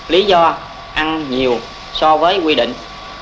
lý do ăn nhiều so với quy định